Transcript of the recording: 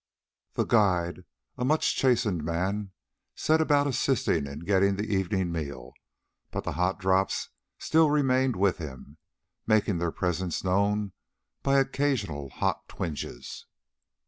The guide, a much chastened man, set about assisting in getting the evening meal, but the hot drops still remained with him, making their presence known by occasional hot twinges.